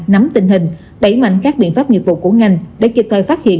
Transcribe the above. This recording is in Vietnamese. nắm tình hình đẩy mạnh các biện pháp nghiệp vụ của ngành để kịp thời phát hiện